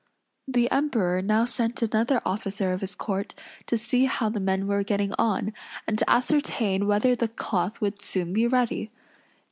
The Emperor now sent another officer of his court to see how the men were getting on, and to ascertain whether the cloth would soon be ready.